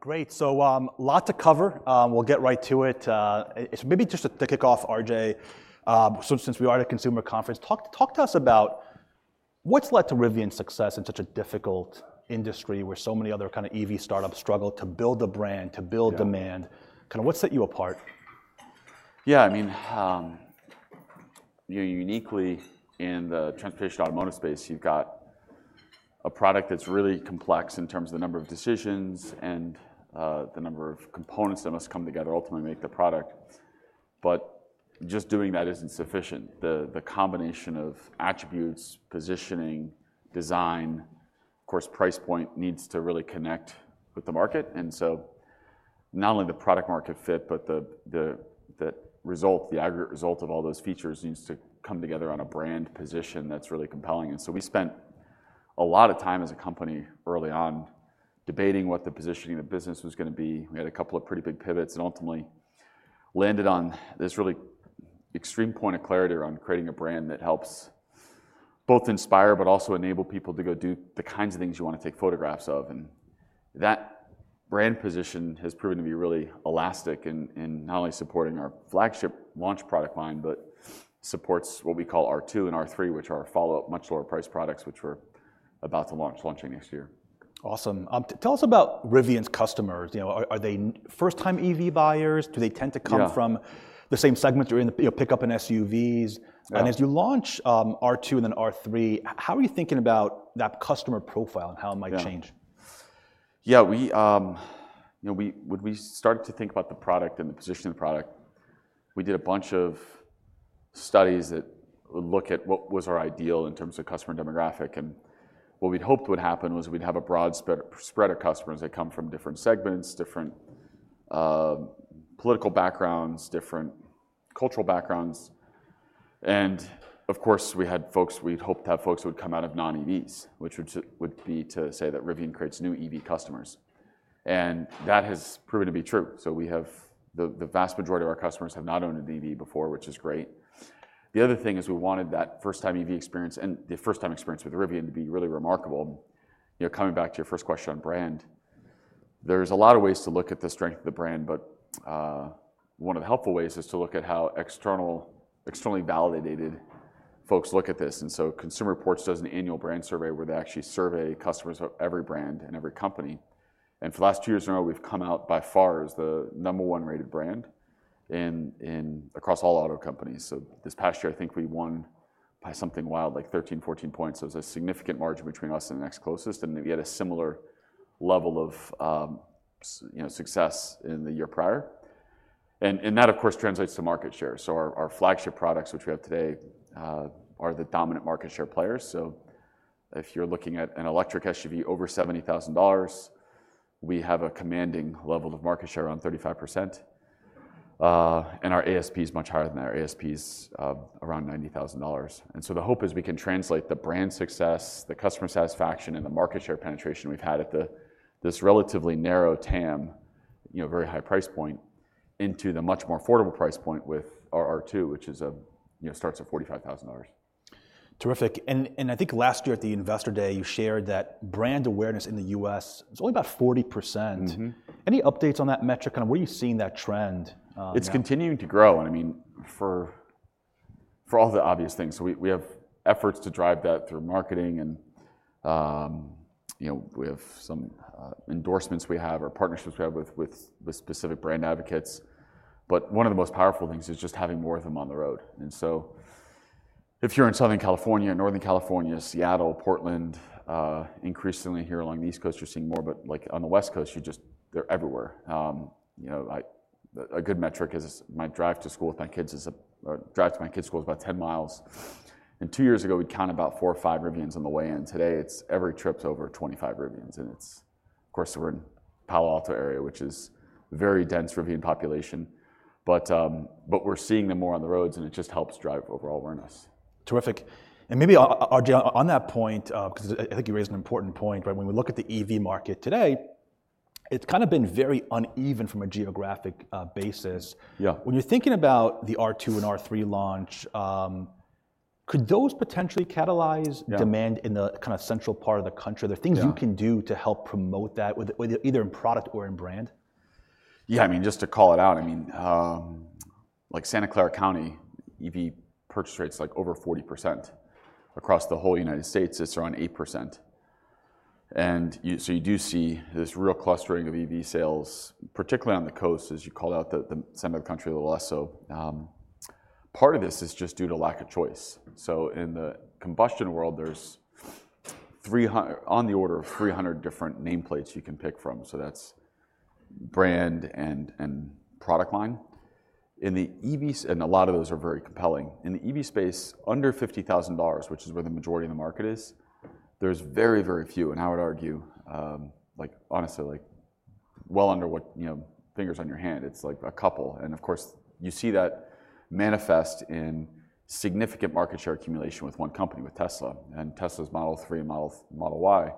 Great. A lot to cover. We'll get right to it. Maybe just to kick off, RJ, since we are at a consumer conference, talk to us about what's led to Rivian's success in such a difficult industry where so many other kind of EV startups struggle to build a brand, to build demand. Kind of what set you apart? Yeah, I mean, uniquely in the transportation automotive space, you've got a product that's really complex in terms of the number of decisions and the number of components that must come together ultimately to make the product. Just doing that isn't sufficient. The combination of attributes, positioning, design, of course, price point needs to really connect with the market. Not only the product-market fit, but the result, the aggregate result of all those features needs to come together on a brand position that's really compelling. We spent a lot of time as a company early on debating what the positioning of the business was going to be. We had a couple of pretty big pivots and ultimately landed on this really extreme point of clarity around creating a brand that helps both inspire but also enable people to go do the kinds of things you want to take photographs of. That brand position has proven to be really elastic in not only supporting our flagship launch product line, but supports what we call R2 and R3, which are follow-up, much lower priced products which we're about to launch next year. Awesome. Tell us about Rivian's customers. Are they first-time EV buyers? Do they tend to come from the same segment? Do you pick up in SUVs? As you launch R2 and then R3, how are you thinking about that customer profile and how it might change? Yeah, when we started to think about the product and the position of the product, we did a bunch of studies that would look at what was our ideal in terms of customer demographic. What we'd hoped would happen was we'd have a broad spread of customers that come from different segments, different political backgrounds, different cultural backgrounds. Of course, we had folks we'd hoped to have folks who would come out of non-EVs, which would be to say that Rivian creates new EV customers. That has proven to be true. The vast majority of our customers have not owned an EV before, which is great. The other thing is we wanted that first-time EV experience and the first-time experience with Rivian to be really remarkable. Coming back to your first question on brand, there's a lot of ways to look at the strength of the brand, but one of the helpful ways is to look at how externally validated folks look at this. Consumer Reports does an annual brand survey where they actually survey customers of every brand and every company. For the last 2 years in a row, we've come out by far as the number one rated brand across all auto companies. This past year, I think we won by something wild, like 13, 14 points. It was a significant margin between us and next closest, and we had a similar level of success in the year prior. That, of course, translates to market share. Our flagship products, which we have today, are the dominant market share players. If you're looking at an electric SUV over $70,000, we have a commanding level of market share around 35%. Our ASP is much higher than that. Our ASP is around $90,000. The hope is we can translate the brand success, the customer satisfaction, and the market share penetration we've had at this relatively narrow TAM, very high price point, into the much more affordable price point with our R2, which starts at $45,000. Terrific. I think last year at the Investor Day, you shared that brand awareness in the U.S. is only about 40%. Any updates on that metric? Kind of where are you seeing that trend? It's continuing to grow. I mean, for all the obvious things, we have efforts to drive that through marketing. We have some endorsements we have or partnerships we have with specific brand advocates. One of the most powerful things is just having more of them on the road. If you're in Southern California, Northern California, Seattle, Portland, increasingly here along the East Coast, you're seeing more. On the West Coast, they're everywhere. A good metric is my drive to my kids' school is about 10 miles. 2 years ago, we'd count about 4 or 5 Rivians on the way in. Today, every trip is over 25 Rivians. Of course, we're in the Palo Alto area, which is a very dense Rivian population. We're seeing them more on the roads, and it just helps drive overall awareness. Terrific. Maybe, RJ, on that point, because I think you raised an important point, when we look at the EV market today, it's kind of been very uneven from a geographic basis. When you're thinking about the R2 and R3 launch, could those potentially catalyze demand in the kind of central part of the country? Are there things you can do to help promote that either in product or in brand? Yeah, I mean, just to call it out, I mean, like Santa Clara County, EV purchase rate is like over 40%. Across the whole United States, it's around 8%. You do see this real clustering of EV sales, particularly on the coast, as you called out, the center of the country a little less so. Part of this is just due to lack of choice. In the combustion world, there's on the order of 300 different nameplates you can pick from. That's brand and product line. A lot of those are very compelling. In the EV space, under $50,000, which is where the majority of the market is, there's very, very few. I would argue, honestly, well under what fingers on your hand. It's like a couple. Of course, you see that manifest in significant market share accumulation with one company, with Tesla. Tesla's Model 3 and Model Y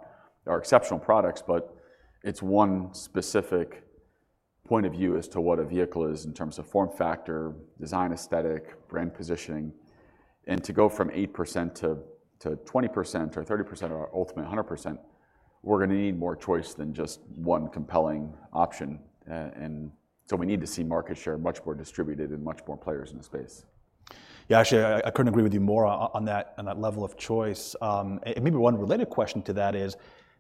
are exceptional products, but it is one specific point of view as to what a vehicle is in terms of form factor, design aesthetic, brand positioning. To go from 8% to 20% or 30% or ultimately 100%, we are going to need more choice than just one compelling option. We need to see market share much more distributed and much more players in the space. Yeah, actually, I couldn't agree with you more on that level of choice. Maybe one related question to that is,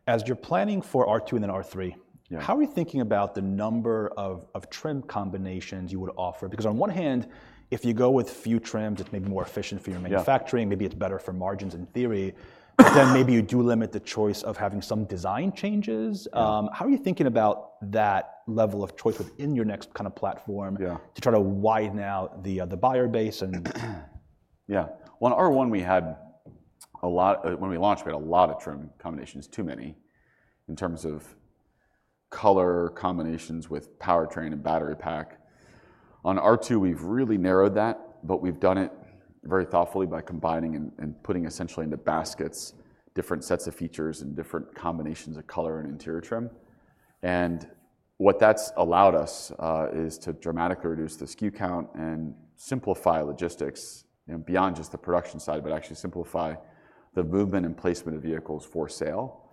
as you're planning for R2 and then R3, how are you thinking about the number of trim combinations you would offer? Because on one hand, if you go with few trims, it's maybe more efficient for your manufacturing. Maybe it's better for margins in theory. Then maybe you do limit the choice of having some design changes. How are you thinking about that level of choice within your next kind of platform to try to widen out the buyer base? Yeah. On R1, we had a lot when we launched, we had a lot of trim combinations, too many in terms of color combinations with powertrain and battery pack. On R2, we've really narrowed that, but we've done it very thoughtfully by combining and putting essentially into baskets different sets of features and different combinations of color and interior trim. What that's allowed us is to dramatically reduce the SKU count and simplify logistics beyond just the production side, but actually simplify the movement and placement of vehicles for sale.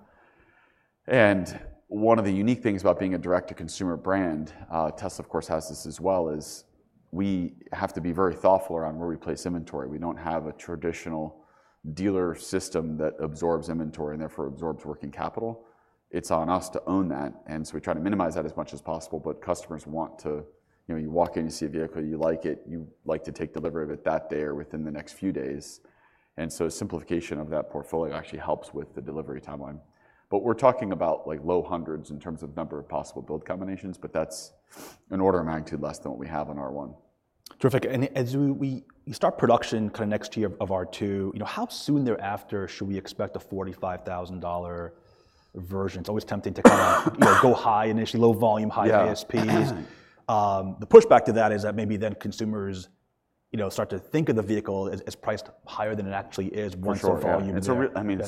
One of the unique things about being a direct-to-consumer brand, Tesla, of course, has this as well, is we have to be very thoughtful around where we place inventory. We don't have a traditional dealer system that absorbs inventory and therefore absorbs working capital. It's on us to own that. We try to minimize that as much as possible. Customers want to, you walk in, you see a vehicle, you like it, you like to take delivery of it that day or within the next few days. Simplification of that portfolio actually helps with the delivery timeline. We are talking about low hundreds in terms of number of possible build combinations, but that is an order of magnitude less than what we have on R1. Terrific. As we start production kind of next year of R2, how soon thereafter should we expect a $45,000 version? It's always tempting to kind of go high initially, low volume, high ASPs. The pushback to that is that maybe then consumers start to think of the vehicle as priced higher than it actually is, more in terms of volume. I mean,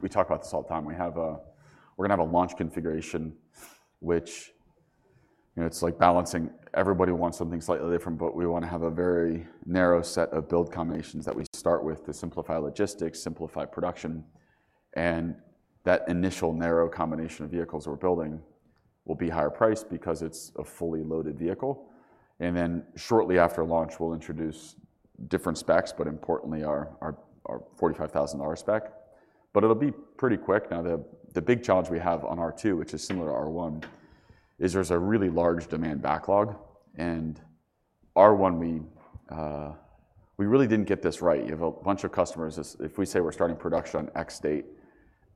we talk about this all the time. We're going to have a launch configuration, which it's like balancing. Everybody wants something slightly different, but we want to have a very narrow set of build combinations that we start with to simplify logistics, simplify production. That initial narrow combination of vehicles we're building will be higher priced because it's a fully loaded vehicle. Shortly after launch, we'll introduce different specs, but importantly, our $45,000 spec. It'll be pretty quick. Now, the big challenge we have on R2, which is similar to R1, is there's a really large demand backlog. R1, we really didn't get this right. You have a bunch of customers. If we say we're starting production on X date,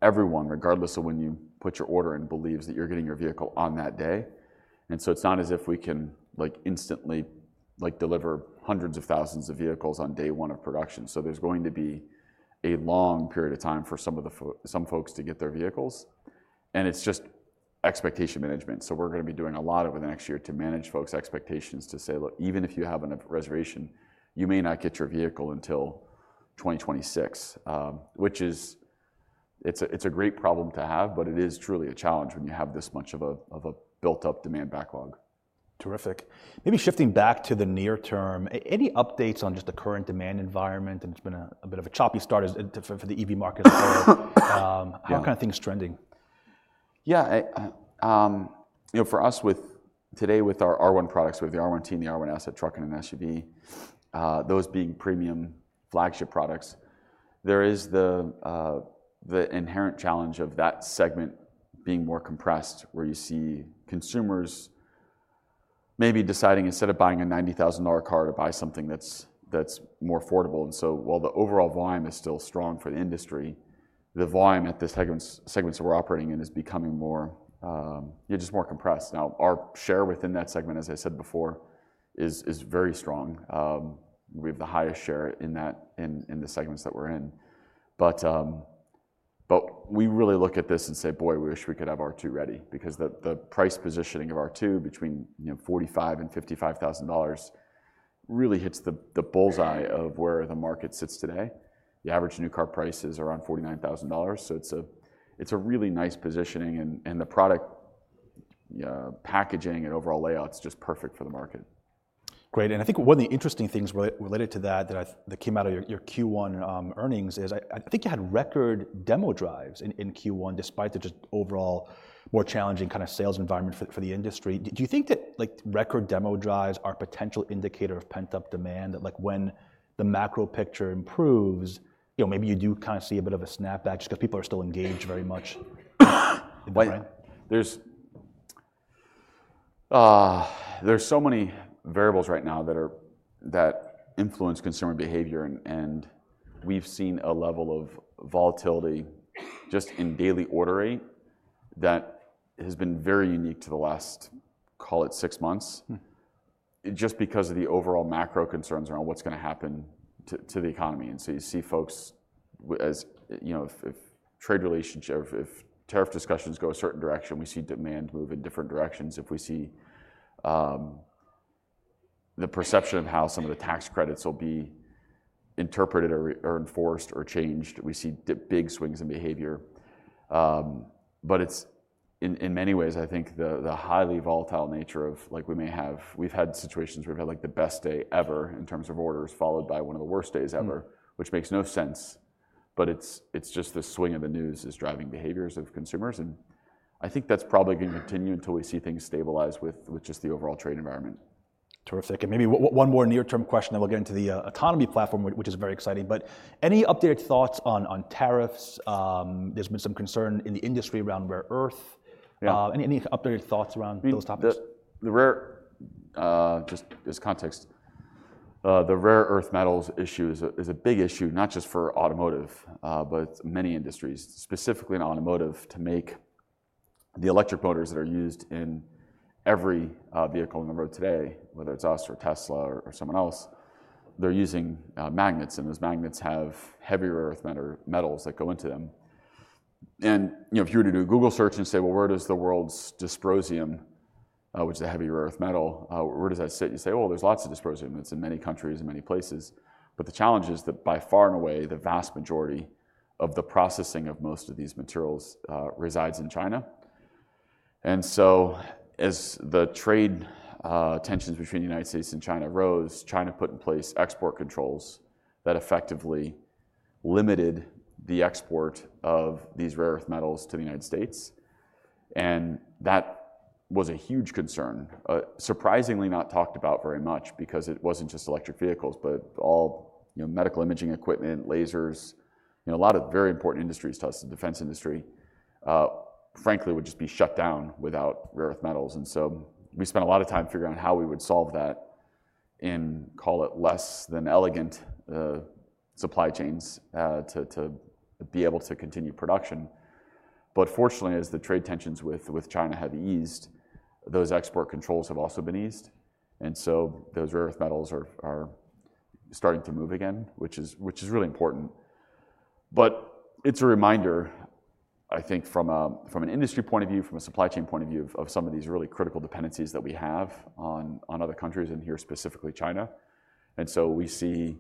everyone, regardless of when you put your order in, believes that you're getting your vehicle on that day. It is not as if we can instantly deliver hundreds of thousands of vehicles on day one of production. There is going to be a long period of time for some folks to get their vehicles. It is just expectation management. We are going to be doing a lot over the next year to manage folks' expectations to say, "Look, even if you have a reservation, you may not get your vehicle until 2026," which is a great problem to have, but it is truly a challenge when you have this much of a built-up demand backlog. Terrific. Maybe shifting back to the near term, any updates on just the current demand environment? It's been a bit of a choppy start for the EV market. How are kind of things trending? Yeah. For us today with our R1 products, with the R1 team, the R1 asset truck and an SUV, those being premium flagship products, there is the inherent challenge of that segment being more compressed, where you see consumers maybe deciding instead of buying a $90,000 car to buy something that's more affordable. While the overall volume is still strong for the industry, the volume at the segments we're operating in is becoming more just more compressed. Now, our share within that segment, as I said before, is very strong. We have the highest share in the segments that we're in. We really look at this and say, "Boy, we wish we could have R2 ready," because the price positioning of R2 between $45,000-$55,000 really hits the bull's eye of where the market sits today. The average new car price is around $49,000. It's a really nice positioning. The product packaging and overall layout is just perfect for the market. Great. I think one of the interesting things related to that that came out of your Q1 earnings is I think you had record demo drives in Q1 despite the just overall more challenging kind of sales environment for the industry. Do you think that record demo drives are a potential indicator of pent-up demand? When the macro picture improves, maybe you do kind of see a bit of a snapback just because people are still engaged very much. are so many variables right now that influence consumer behavior. We have seen a level of volatility just in daily order rate that has been very unique to the last, call it, 6 months, just because of the overall macro concerns around what is going to happen to the economy. You see folks as if trade relationships, if tariff discussions go a certain direction, we see demand move in different directions. If we see the perception of how some of the tax credits will be interpreted or enforced or changed, we see big swings in behavior. In many ways, I think the highly volatile nature of, we have had situations where we have had the best day ever in terms of orders followed by one of the worst days ever, which makes no sense. It is just the swing of the news is driving behaviors of consumers. I think that's probably going to continue until we see things stabilize with just the overall trade environment. Terrific. Maybe one more near-term question, then we'll get into the autonomy platform, which is very exciting. Any updated thoughts on tariffs? There's been some concern in the industry around rare earth. Any updated thoughts around those topics? Just as context, the rare earth metals issue is a big issue, not just for automotive, but many industries. Specifically in automotive, to make the electric motors that are used in every vehicle on the road today, whether it's us or Tesla or someone else, they're using magnets. Those magnets have heavier earth metals that go into them. If you were to do a Google search and say, "Where does the world's dysprosium, which is a heavier earth metal, where does that sit?" you say, "There's lots of dysprosium. It's in many countries and many places." The challenge is that by far and away, the vast majority of the processing of most of these materials resides in China. As the trade tensions between the United States and China rose, China put in place export controls that effectively limited the export of these rare earth metals to the United States. That was a huge concern, surprisingly not talked about very much because it was not just electric vehicles, but all medical imaging equipment, lasers, a lot of very important industries, the defense industry, frankly, would just be shut down without rare earth metals. We spent a lot of time figuring out how we would solve that in, call it, less than elegant supply chains to be able to continue production. Fortunately, as the trade tensions with China have eased, those export controls have also been eased. Those rare earth metals are starting to move again, which is really important. It is a reminder, I think, from an industry point of view, from a supply chain point of view, of some of these really critical dependencies that we have on other countries, and here specifically China. We see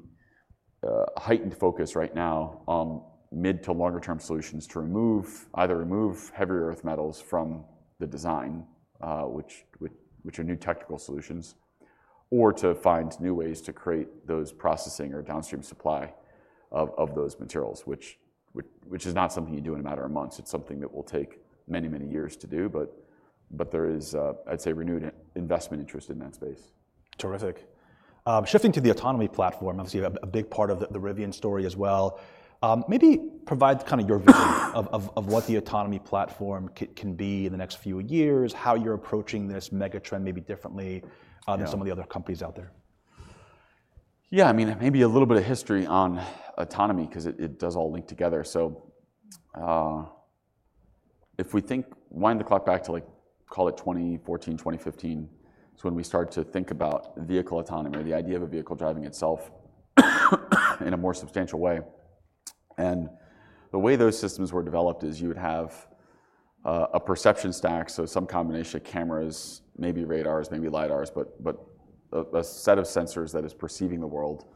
a heightened focus right now on mid- to longer-term solutions to either remove heavier earth metals from the design, which are new technical solutions, or to find new ways to create those processing or downstream supply of those materials, which is not something you do in a matter of months. It is something that will take many, many years to do. There is, I'd say, renewed investment interest in that space. Terrific. Shifting to the autonomy platform, obviously, a big part of the Rivian story as well. Maybe provide kind of your view of what the autonomy platform can be in the next few years, how you're approaching this megatrend maybe differently than some of the other companies out there. Yeah. I mean, maybe a little bit of history on autonomy because it does all link together. If we think, wind the clock back to, call it, 2014, 2015, it's when we start to think about vehicle autonomy or the idea of a vehicle driving itself in a more substantial way. The way those systems were developed is you would have a perception stack, so some combination of cameras, maybe radars, maybe lidars, but a set of sensors that is perceiving the world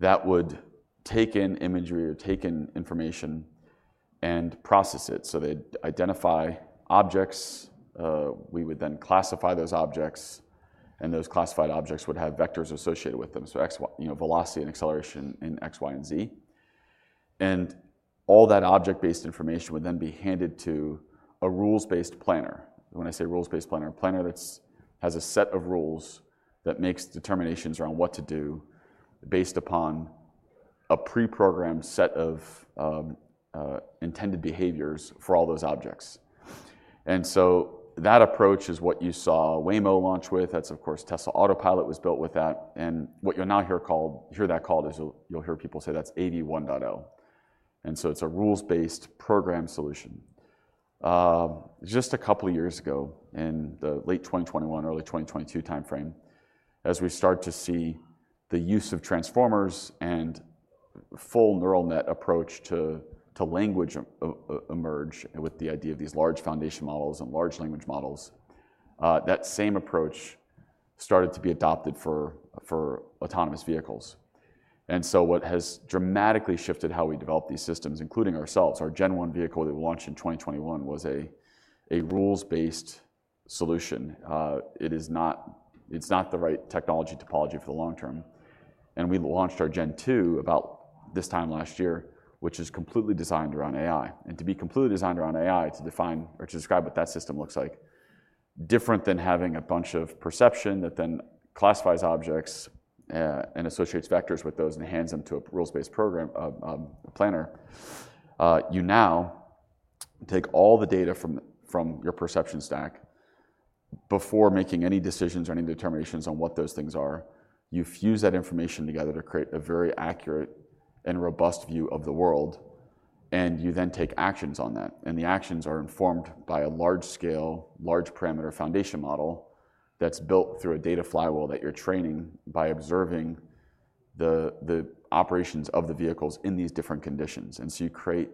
that would take in imagery or take in information and process it. They'd identify objects. We would then classify those objects, and those classified objects would have vectors associated with them, so velocity and acceleration in X, Y, and Z. All that object-based information would then be handed to a rules-based planner. When I say rules-based planner, a planner that has a set of rules that makes determinations around what to do based upon a pre-programmed set of intended behaviors for all those objects. That approach is what you saw Waymo launch with. Of course, Tesla Autopilot was built with that. What you'll now hear that called is you'll hear people say that's AV1.0. It is a rules-based program solution. Just a couple of years ago, in the late 2021, early 2022 timeframe, as we start to see the use of transformers and full neural net approach to language emerge with the idea of these large foundation models and large language models, that same approach started to be adopted for autonomous vehicles. What has dramatically shifted how we develop these systems, including ourselves, our Gen 1 vehicle that we launched in 2021, was a rules-based solution. It's not the right technology topology for the long term. We launched our Gen 2 about this time last year, which is completely designed around AI. To be completely designed around AI, to define or to describe what that system looks like, different than having a bunch of perception that then classifies objects and associates vectors with those and hands them to a rules-based planner, you now take all the data from your perception stack. Before making any decisions or any determinations on what those things are, you fuse that information together to create a very accurate and robust view of the world. You then take actions on that. The actions are informed by a large-scale, large-parameter foundation model that is built through a data flywheel that you are training by observing the operations of the vehicles in these different conditions. You create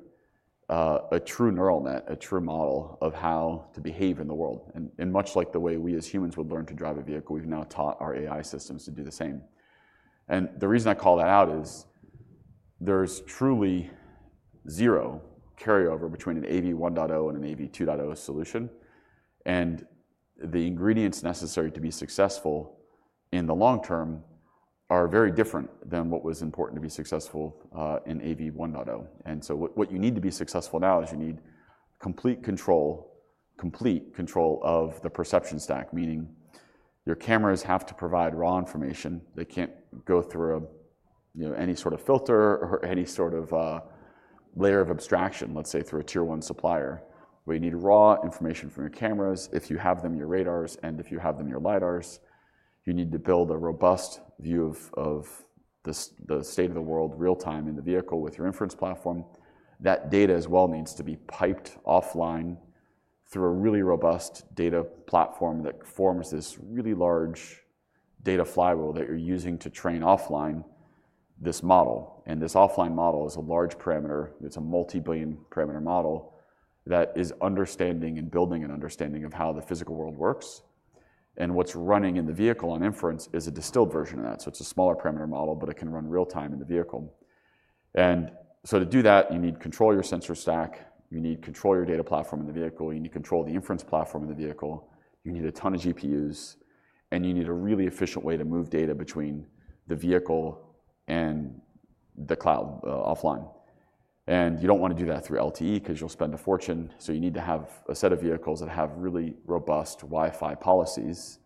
a true neural net, a true model of how to behave in the world. Much like the way we as humans would learn to drive a vehicle, we have now taught our AI systems to do the same. The reason I call that out is there is truly zero carryover between an AV1.0 and an AV2.0 solution. The ingredients necessary to be successful in the long term are very different than what was important to be successful in AV1.0. What you need to be successful now is you need complete control of the perception stack, meaning your cameras have to provide raw information. They can't go through any sort of filter or any sort of layer of abstraction, let's say, through a tier one supplier. We need raw information from your cameras. If you have them in your radars and if you have them in your lidars, you need to build a robust view of the state of the world real-time in the vehicle with your inference platform. That data as well needs to be piped offline through a really robust data platform that forms this really large data flywheel that you're using to train offline this model. This offline model is a large parameter. It's a multi-billion parameter model that is understanding and building an understanding of how the physical world works. What's running in the vehicle on inference is a distilled version of that. It's a smaller parameter model, but it can run real-time in the vehicle. To do that, you need control of your sensor stack. You need control of your data platform in the vehicle. You need control of the inference platform in the vehicle. You need a ton of GPUs. You need a really efficient way to move data between the vehicle and the cloud offline. You do not want to do that through LTE because you will spend a fortune. You need to have a set of vehicles that have really robust Wi-Fi policies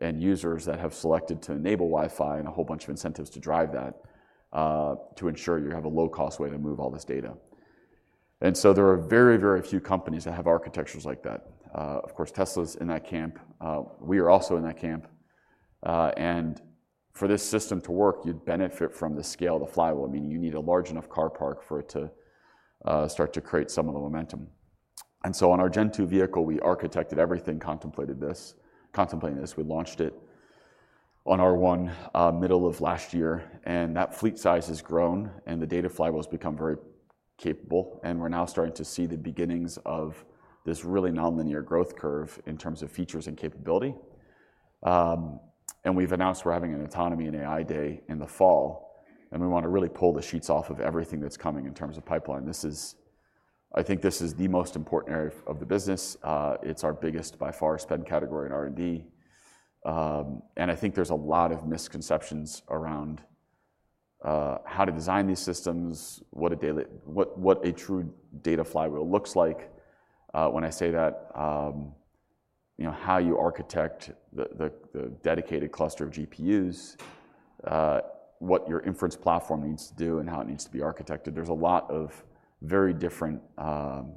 and users that have selected to enable Wi-Fi and a whole bunch of incentives to drive that to ensure you have a low-cost way to move all this data. There are very, very few companies that have architectures like that. Of course, Tesla is in that camp. We are also in that camp. For this system to work, you'd benefit from the scale of the flywheel, meaning you need a large enough car park for it to start to create some of the momentum. On our Gen 2 vehicle, we architected everything, contemplating this. We launched it on R1 middle of last year. That fleet size has grown. The data flywheel has become very capable. We're now starting to see the beginnings of this really non-linear growth curve in terms of features and capability. We've announced we're having an autonomy and AI day in the fall. We want to really pull the sheets off of everything that's coming in terms of pipeline. I think this is the most important area of the business. It's our biggest by far spend category in R&D. I think there's a lot of misconceptions around how to design these systems, what a true data flywheel looks like. When I say that, how you architect the dedicated cluster of GPUs, what your inference platform needs to do, and how it needs to be architected, there's a lot of very different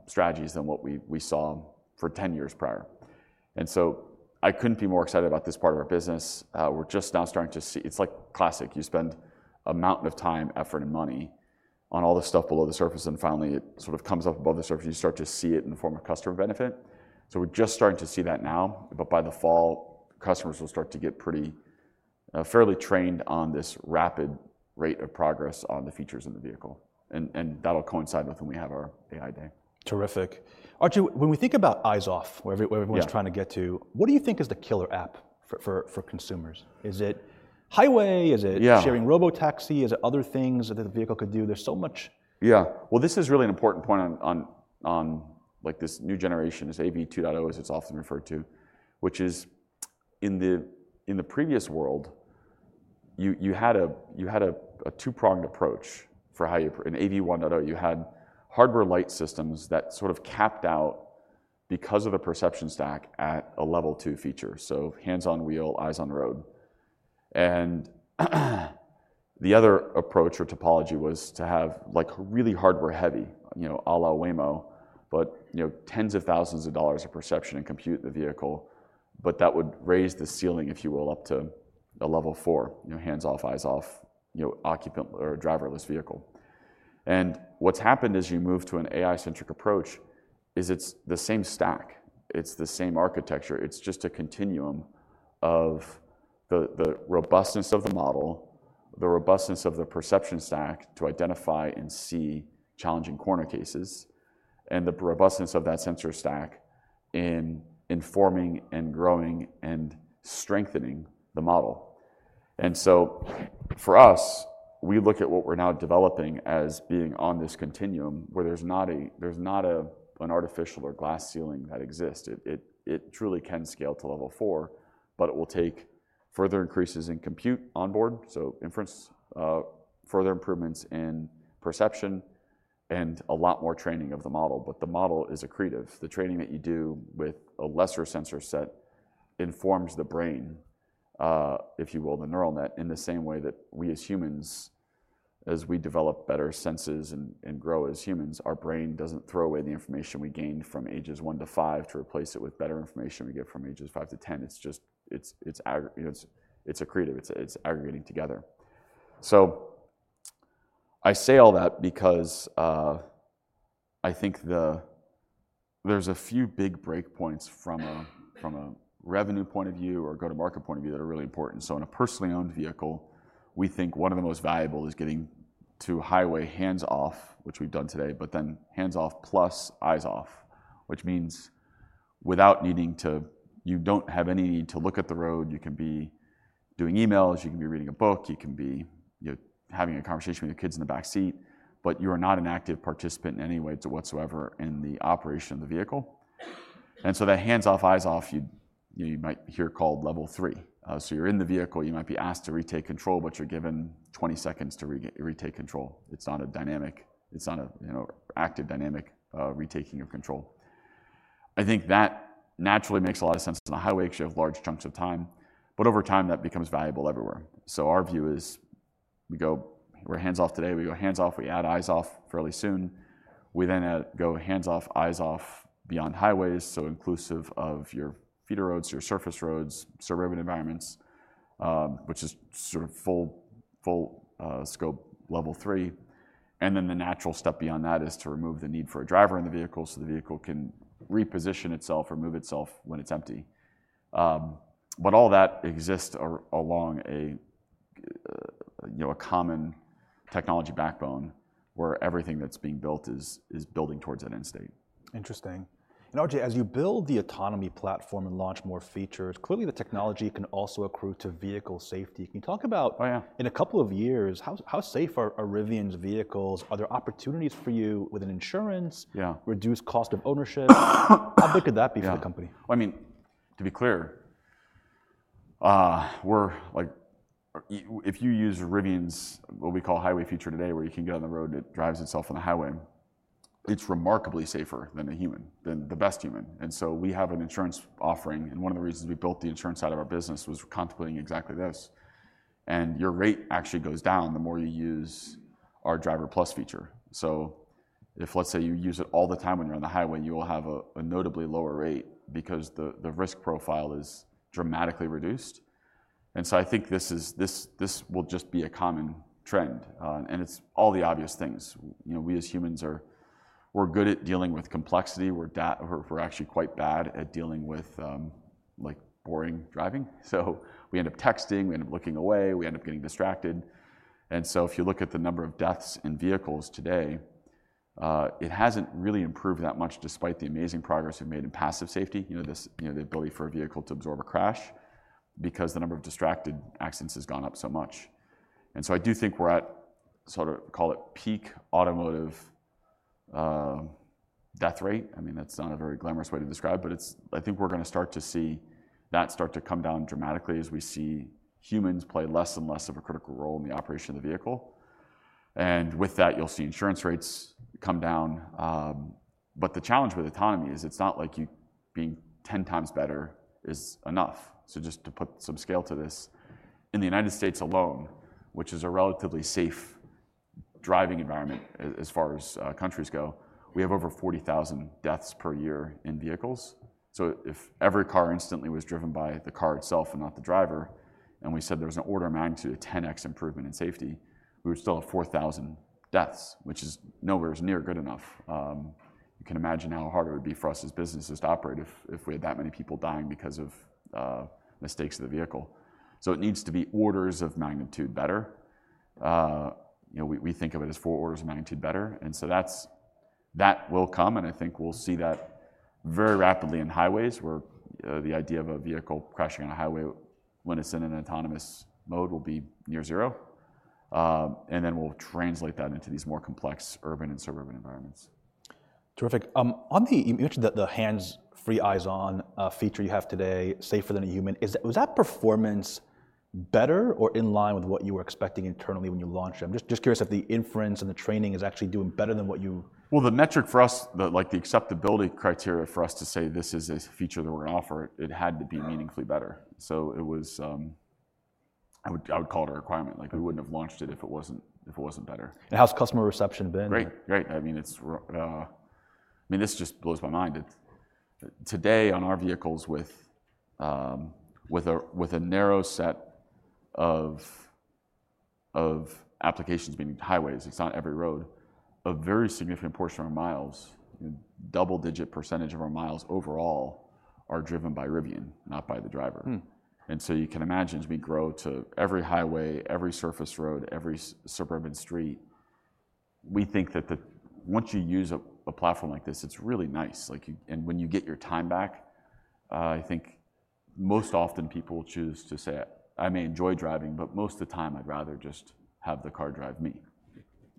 strategies than what we saw for 10 years prior. I couldn't be more excited about this part of our business. We're just now starting to see it's like classic. You spend a mountain of time, effort, and money on all the stuff below the surface. Finally, it sort of comes up above the surface. You start to see it in the form of customer benefit. We're just starting to see that now. By the fall, customers will start to get fairly trained on this rapid rate of progress on the features in the vehicle. That'll coincide with when we have our AI day. Terrific. Archie, when we think about Eyes Off, where everyone's trying to get to, what do you think is the killer app for consumers? Is it highway? Is it sharing robotaxi? Is it other things that the vehicle could do? There's so much. Yeah. This is really an important point on this new generation, this AV2.0, as it's often referred to, which is in the previous world, you had a 2-pronged approach for how you, in AV1.0, you had hardware light systems that sort of capped out because of a perception stack at a level 2 feature, so hands on wheel, eyes on road. The other approach or topology was to have really hardware heavy, à la Waymo, but tens of thousands of dollars of perception and compute in the vehicle, but that would raise the ceiling, if you will, up to a level 4, hands off, eyes off, occupant or driverless vehicle. What's happened as you move to an AI-centric approach is it's the same stack. It's the same architecture. It's just a continuum of the robustness of the model, the robustness of the perception stack to identify and see challenging corner cases, and the robustness of that sensor stack in informing and growing and strengthening the model. For us, we look at what we're now developing as being on this continuum where there's not an artificial or glass ceiling that exists. It truly can scale to level 4, but it will take further increases in compute on board, so inference, further improvements in perception, and a lot more training of the model. The model is accretive. The training that you do with a lesser sensor set informs the brain, if you will, the neural net in the same way that we as humans, as we develop better senses and grow as humans, our brain does not throw away the information we gained from ages 1 to 5 to replace it with better information we get from ages 5 to 10. It is accretive. It is aggregating together. I say all that because I think there are a few big breakpoints from a revenue point of view or go-to-market point of view that are really important. In a personally owned vehicle, we think one of the most valuable is getting to highway hands off, which we have done today, but then hands off plus eyes off, which means without needing to, you do not have any need to look at the road. You can be doing emails. You can be reading a book. You can be having a conversation with your kids in the back seat. You are not an active participant in any way whatsoever in the operation of the vehicle. That hands off, eyes off, you might hear called level 3. You are in the vehicle. You might be asked to retake control, but you are given 20 seconds to retake control. It is not a dynamic active dynamic retaking of control. I think that naturally makes a lot of sense on the highway because you have large chunks of time. Over time, that becomes valuable everywhere. Our view is we go hands off today. We go hands off. We add eyes off fairly soon. We then go hands off, eyes off beyond highways, so inclusive of your feeder roads, your surface roads, surveillance environments, which is sort of full scope level 3. The natural step beyond that is to remove the need for a driver in the vehicle so the vehicle can reposition itself or move itself when it's empty. All that exists along a common technology backbone where everything that's being built is building towards that end state. Interesting. Archie, as you build the autonomy platform and launch more features, clearly the technology can also accrue to vehicle safety. Can you talk about in a couple of years, how safe are Rivian's vehicles? Are there opportunities for you with an insurance, reduced cost of ownership? How big could that be for the company? Yeah. I mean, to be clear, if you use Rivian's what we call highway feature today, where you can get on the road, it drives itself on the highway. It is remarkably safer than a human, than the best human. We have an insurance offering. One of the reasons we built the insurance side of our business was contemplating exactly this. Your rate actually goes down the more you use our Driver+ feature. If, let's say, you use it all the time when you're on the highway, you will have a notably lower rate because the risk profile is dramatically reduced. I think this will just be a common trend. It is all the obvious things. We as humans, we're good at dealing with complexity. We're actually quite bad at dealing with boring driving. We end up texting. We end up looking away. We end up getting distracted. If you look at the number of deaths in vehicles today, it has not really improved that much despite the amazing progress we have made in passive safety, the ability for a vehicle to absorb a crash because the number of distracted accidents has gone up so much. I do think we are at, sort of call it, peak automotive death rate. I mean, that is not a very glamorous way to describe. I think we are going to start to see that start to come down dramatically as we see humans play less and less of a critical role in the operation of the vehicle. With that, you will see insurance rates come down. The challenge with autonomy is it is not like you being 10 times better is enough. Just to put some scale to this, in the United States alone, which is a relatively safe driving environment as far as countries go, we have over 40,000 deaths per year in vehicles. If every car instantly was driven by the car itself and not the driver, and we said there was an order of magnitude of 10x improvement in safety, we would still have 4,000 deaths, which is nowhere near good enough. You can imagine how hard it would be for us as businesses to operate if we had that many people dying because of mistakes of the vehicle. It needs to be orders of magnitude better. We think of it as 4 orders of magnitude better. That will come. I think we'll see that very rapidly in highways where the idea of a vehicle crashing on a highway when it's in an autonomous mode will be near zero. Then we'll translate that into these more complex urban and suburban environments. Terrific. You mentioned that the hands-free eyes-on feature you have today, safer than a human. Was that performance better or in line with what you were expecting internally when you launched it? I'm just curious if the inference and the training is actually doing better than what you. The metric for us, the acceptability criteria for us to say this is a feature that we're going to offer, it had to be meaningfully better. I would call it a requirement. We wouldn't have launched it if it wasn't better. How's customer reception been? Great. I mean, this just blows my mind. Today, on our vehicles with a narrow set of applications, meaning highways, it's not every road, a very significant portion of our miles, double-digit % of our miles overall are driven by Rivian, not by the driver. You can imagine as we grow to every highway, every surface road, every suburban street, we think that once you use a platform like this, it's really nice. When you get your time back, I think most often people will choose to say, I may enjoy driving, but most of the time, I'd rather just have the car drive me.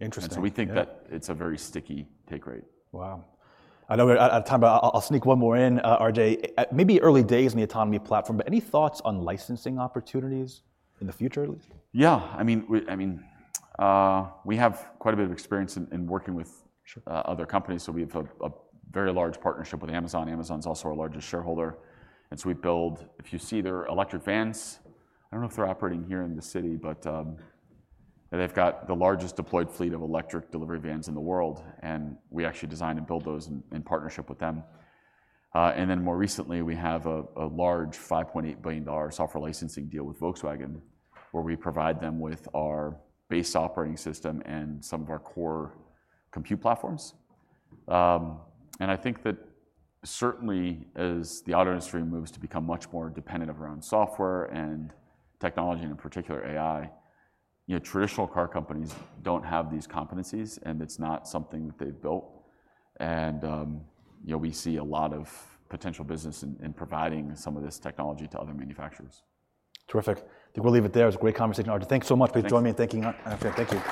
Interesting. We think that it's a very sticky take rate. Wow. I know we're out of time, but I'll sneak one more in, RJ. Maybe early days in the autonomy platform, but any thoughts on licensing opportunities in the future at least? Yeah. I mean, we have quite a bit of experience in working with other companies. We have a very large partnership with Amazon. Amazon's also our largest shareholder. We build, if you see their electric vans, I do not know if they're operating here in the city, but they've got the largest deployed fleet of electric delivery vans in the world. We actually design and build those in partnership with them. More recently, we have a large $5.8 billion software licensing deal with Volkswagen where we provide them with our base operating system and some of our core compute platforms. I think that certainly as the auto industry moves to become much more dependent around software and technology, and in particular AI, traditional car companies do not have these competencies. It is not something that they've built. We see a lot of potential business in providing some of this technology to other manufacturers. Terrific. I think we'll leave it there. It was a great conversation. Archie, thanks so much for joining me. Thank you.